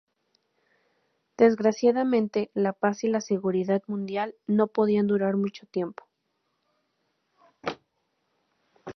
Desgraciadamente, la paz y la seguridad mundial no podían durar mucho tiempo.